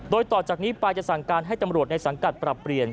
โดยต่อจากนี้ไปจะสั่งการให้ตำรวจในสังกัดปรับเปลี่ยน